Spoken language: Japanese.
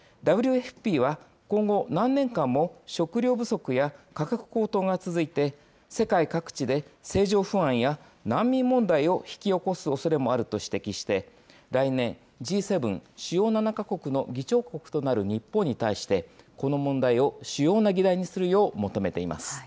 ＷＦＰは、今後、何年間も食糧不足や価格高騰が続いて、世界各地で政情不安や難民問題を引き起こすおそれもあると指摘して、来年、Ｇ７・主要７か国の議長国となる日本に対して、この問題を主要な議題にするよう求めています。